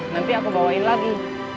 nanti aku bawain lagi